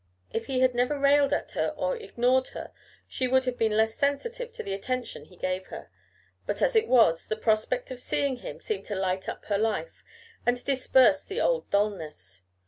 If he had never railed at her or ignored her, she would have been less sensitive to the attention he gave her; but as it was, the prospect of seeing him seemed to light up her life, and to disperse the old dullness.